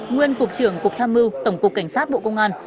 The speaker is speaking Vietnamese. nguyên cục trưởng cục tham mưu tổng cục cảnh sát bộ công an